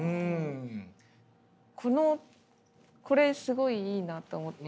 このこれすごいいいなと思って。